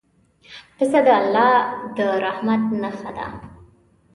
پسه د الله د رحمت نښه ده.